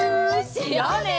しようね！